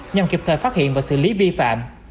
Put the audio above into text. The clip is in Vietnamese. nhằm kịp thời phát hiện và xử lý vi phạm